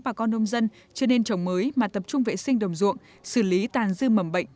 bà con nông dân chưa nên trồng mới mà tập trung vệ sinh đồng ruộng xử lý tàn dư mầm bệnh